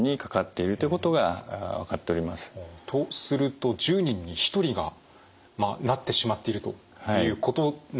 とすると１０人に１人がまあなってしまっているということなんですね。